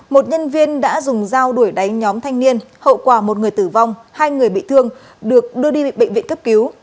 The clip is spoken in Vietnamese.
một nhân viên đã dùng dao đuổi đánh nhóm thanh niên hậu quả một người tử vong hai người bị thương được đưa đi bệnh viện cấp cứu